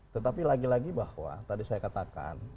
tetapi lagi lagi bahwa tadi saya katakan